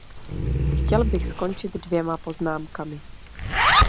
Chtěl bych skončit dvěma poznámkami.